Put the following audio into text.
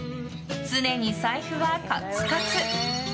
常に財布はカツカツ。